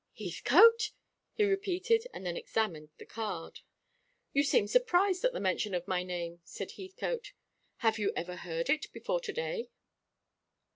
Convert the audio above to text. "Heathcote!" he repeated, and then examined the card. "You seem surprised at the mention of my name," said Heathcote. "Have you ever heard it before to day?"